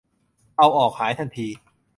เอาออก หายทันที